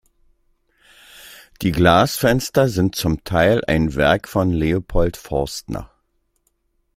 Die Glasfenster sind zum Teil ein Werk von Leopold Forstner.